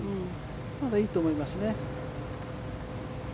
まだいいと思いますね。